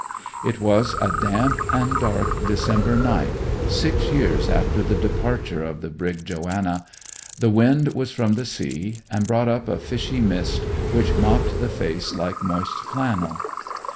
It was a damp and dark December night, six years after the departure of the brig Joanna. The wind was from the sea, and brought up a fishy mist which mopped the face like moist flannel.